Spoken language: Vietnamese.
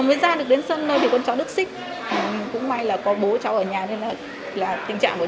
mới ra được đến sân nơi thì con chó đứt xích cũng may là có bố cháu ở nhà nên là tình trạng của